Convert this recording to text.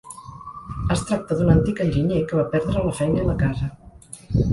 Es tracta d’un antic enginyer que va perdre la feina i la casa.